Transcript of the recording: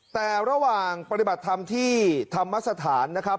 แต่ระหว่างปฏิบัติธรรมที่ธรรมสถานนะครับ